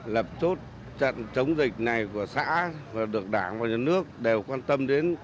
lập chốt trận chống dịch này của xã và được đảng và nhà nước đều quan tâm đến